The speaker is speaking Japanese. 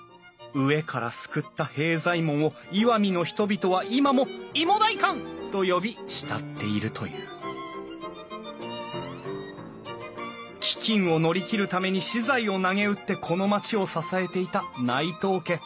飢えから救った平左衛門を石見の人々は今もいも代官と呼び慕っているという飢饉を乗り切るために私財をなげうってこの町を支えていた内藤家。